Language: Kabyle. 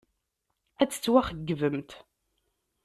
Ad tettwaxeyybemt.